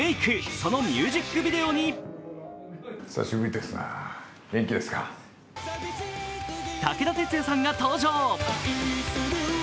そのミュージックビデオに武田鉄矢さんが登場。